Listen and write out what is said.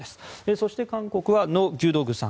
そして韓国はノ・ギュドクさん。